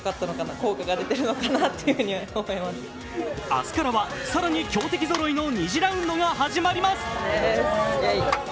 明日からは、更に強敵ぞろいの２次ラウンドが始まります。